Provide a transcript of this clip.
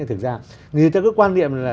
thực ra người ta cứ quan niệm là